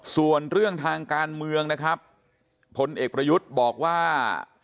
ส่วนเรื่องทางการเมืองนะครับพลเอกประยุทธ์บอกว่า